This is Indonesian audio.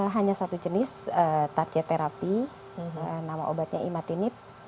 hanya satu jenis tarchi therapy nama obatnya imatinib